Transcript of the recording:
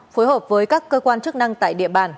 phối hợp với các cơ quan chức năng tại địa bàn